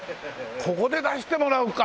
ここで出してもらおうか！